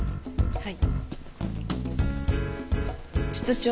はい。